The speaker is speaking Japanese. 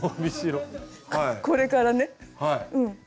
これからねうん。